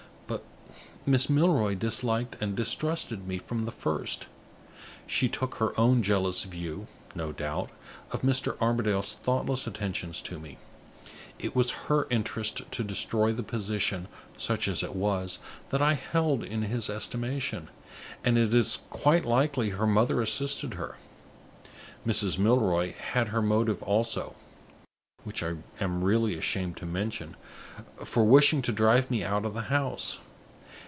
But Miss Milroy disliked and distrusted me from the first. She took her own jealous view, no doubt, of Mr. Armadale's thoughtless attentions to me. It was her interest to destroy the position, such as it was, that I held in his estimation; and it is quite likely her mother assisted her. Mrs. Milroy had her motive also (which I am really ashamed to mention) for wishing to drive me out of the house.